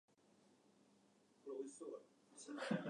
韓国語はとてもかわいい